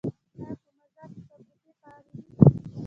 آیا په مزار کې فابریکې فعالې دي؟